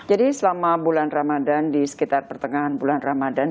jadi selama bulan ramadan di sekitar pertengahan bulan ramadan